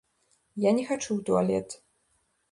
Я не хачу ў туалет.